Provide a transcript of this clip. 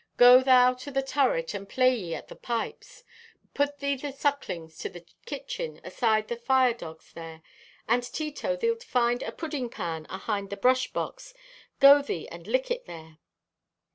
Go thou to the turret and play ye at the pipes. Put thee the sucklings to the kitchen, aside the fire dogs there. And Tito, thee'lt find a pudding pan ahind the brushbox. Go thee and lick it there!"